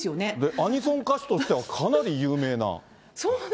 アニソン歌手として、かなり有名な。